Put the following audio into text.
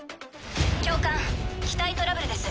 教官機体トラブルです。